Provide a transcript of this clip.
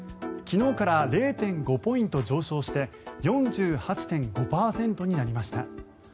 昨日から０．５ポイント上昇して４８．５％になりました。